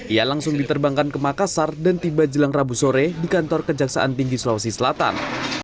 ia langsung diterbangkan ke makassar dan tiba jelang rabu sore di kantor kejaksaan tinggi sulawesi selatan